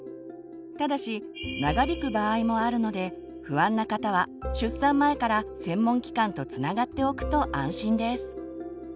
ただし長引く場合もあるので不安な方は出産前から専門機関とつながっておくと安心です。